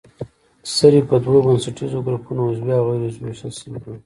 سرې په دوو بنسټیزو ګروپونو عضوي او غیر عضوي ویشل شوې دي.